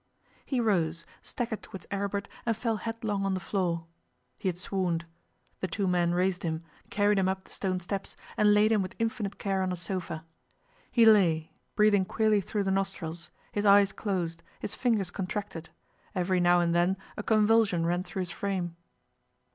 He rose, staggered towards Aribert, and fell headlong on the floor. He had swooned. The two men raised him, carried him up the stone steps, and laid him with infinite care on a sofa. He lay, breathing queerly through the nostrils, his eyes closed, his fingers contracted; every now and then a convulsion ran through his frame.